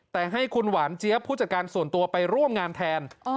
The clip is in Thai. แต่ให้คุณหวานเจี๊ยบผู้จัดการส่วนตัวไปร่วมงานแทน